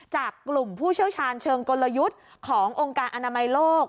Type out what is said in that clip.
จากกลุ่มผู้เชี่ยวชาญเชิงกลยุทธ์ขององค์การอนามัยโลก